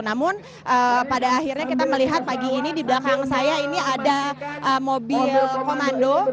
namun pada akhirnya kita melihat pagi ini di belakang saya ini ada mobil komando